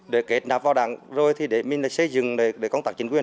để kết nạp vào đảng rồi thì để mình xây dựng công tắc chính quyền